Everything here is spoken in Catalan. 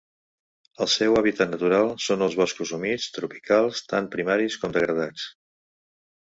El seu hàbitat natural són els boscos humits tropicals, tant primaris com degradats.